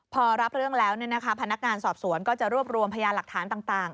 พอรับเรื่องแล้วพนักงานสอบสวนก็จะรวบรวมพยานหลักฐานต่าง